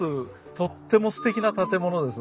とってもすてきな建物です。